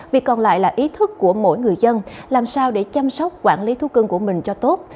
việc còn lại là ý thức của mỗi người dân làm sao để chăm sóc quản lý thú cưng của mình cho tốt